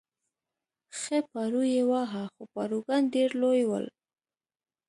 ښه پارو یې واهه، خو پاروګان ډېر لوی ول.